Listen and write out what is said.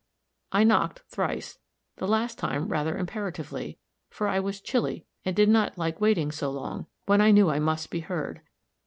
I knocked thrice, the last time rather imperatively, for I was chilly, and did not like waiting so long, when I knew I must be heard.